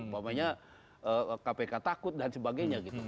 pokoknya kpk takut dan sebagainya gitu